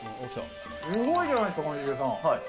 すごいじゃないですか、上重さん。